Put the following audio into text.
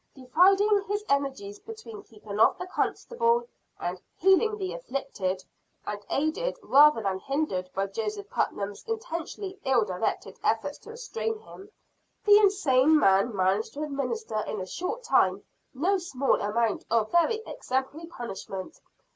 Dividing his energies between keeping off the constable and "healing the afflicted," and aided rather than hindered by Joseph Putnam's intentionally ill directed efforts to restrain him, the insane man managed to administer in a short time no small amount of very exemplary punishment.